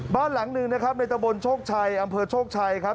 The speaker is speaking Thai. บ้านหลังหนึ่งนะครับในตะบนโชคชัยอำเภอโชคชัยครับ